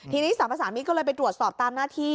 ทีนี้สรรพสามิตรก็เลยไปตรวจสอบตามหน้าที่